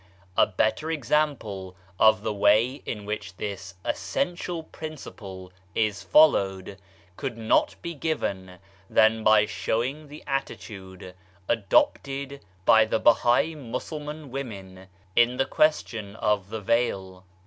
A better example of the way in which this essential principle is followed could not be given than by showing the attitude adopted by the Bahai Musulman women in the question of the veil.